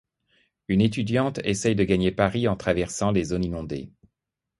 Une étudiante essaye de gagner Paris en traversant des zones inondées.